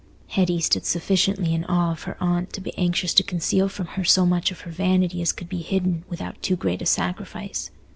Hetty stood sufficiently in awe of her aunt to be anxious to conceal from her so much of her vanity as could be hidden without too great a sacrifice.